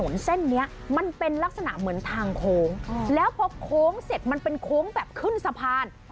เส้นนี้มันเป็นลักษณะเหมือนทางโค้งแล้วพอโค้งเสร็จมันเป็นโค้งแบบขึ้นสะพาน